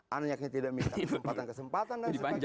anaknya tidak minta kesempatan kesempatan